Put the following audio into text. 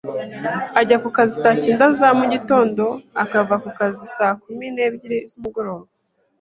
Ajya ku kazi saa cyenda za mu gitondo akava ku kazi saa kumi n'ebyiri z'umugoroba